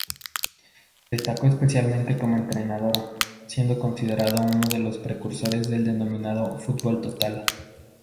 Destacó especialmente como entrenador, siendo considerado uno de los precursores del denominado fútbol total.